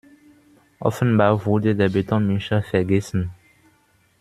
Offenbar wurde der Betonmischer vergessen.